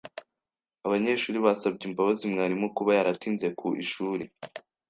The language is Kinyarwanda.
Abanyeshuri basabye imbabazi mwarimu kuba yaratinze ku ishuri.